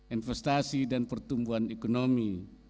investasi dan pertumbuhan ekonomi